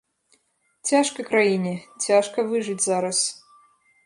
Цяжка краіне, цяжка выжыць зараз.